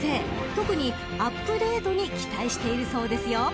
［特にアップデートに期待しているそうですよ］